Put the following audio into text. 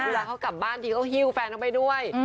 เวลาเขากลับบ้านทีก็หิ้วแฟนเขาไปด้วย